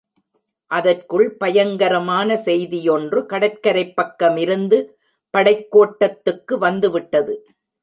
அதற்குள் பயங்கரமான செய்தியொன்று கடற்கரைப் பக்கமிருந்து படைக்கோட்டத்துக்கு வந்துவிட்டது.